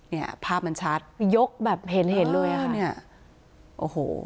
เนี่ยภาพมันชัดยกแบบเห็นด้วยอะโอ้โห